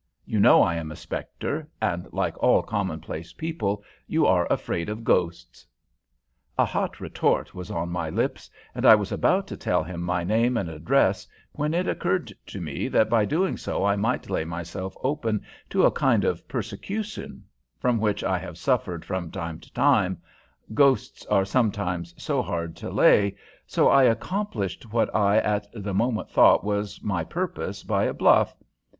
You know I am a spectre, and, like all commonplace people, you are afraid of ghosts." A hot retort was on my lips, and I was about to tell him my name and address, when it occurred to me that by doing so I might lay myself open to a kind of persecution from which I have suffered from time to time, ghosts are sometimes so hard to lay, so I accomplished what I at the moment thought was my purpose by a bluff.